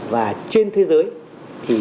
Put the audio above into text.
và trên thế giới